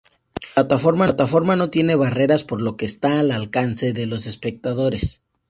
La plataforma no tiene barreras por lo que está al alcance de los espectadores.